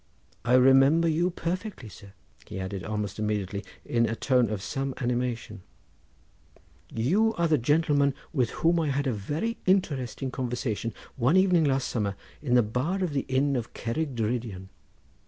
I remember you perfectly, sir," he added almost immediately in a tone of some animation; "you are the gentleman with whom I had a very interesting conversation one evening last summer in the bar of the inn at Cerrig Drudion.